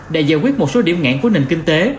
đã giải quyết một số điểm nghẽn của nền kinh tế